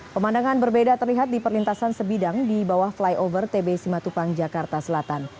pemandangan berbeda terlihat di perlintasan sebidang di bawah flyover tb simatupang jakarta selatan